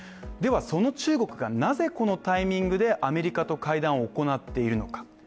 ではその中国がなぜこのタイミングでアメリカと会談を行っているのか。